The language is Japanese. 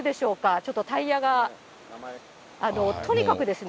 ちょっとタイヤがとにかくですね。